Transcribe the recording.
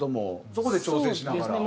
そこで調整しながら。